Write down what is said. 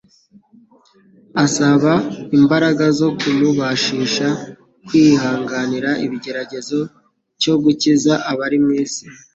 Asaba imbaraga zo kumubashisha kwihariganira ikigeragezo cyo gukiza abari mu isi.